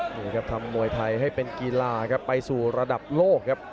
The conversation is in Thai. นี่ครับทำมวยไทยให้เป็นกีฬาครับไปสู่ระดับโลกครับ